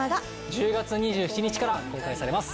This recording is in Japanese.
１０月２７日から公開されます。